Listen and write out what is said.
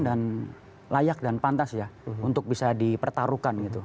dan layak dan pantas ya untuk bisa dipertaruhkan